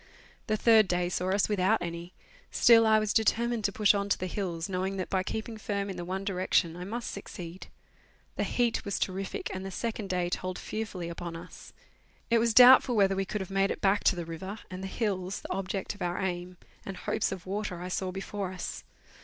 The third day saw us without any; still I was determined to push on to the hills, knowing that by keeping firm in the one direction I must succeed. The heat was terrific, and the second day told fearfully upon us. It was doubtful whether we could have made back to the river; and the hills, tlie object of our aim, and hopes of water I saw before us.